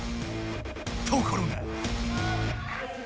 ところが。